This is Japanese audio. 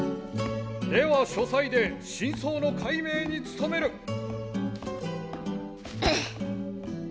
では書斎で真相の解明に努める。